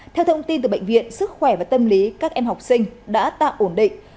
theo thông tin từ bệnh viện sức khỏe và tâm lý các em học sinh đã tạm ổn định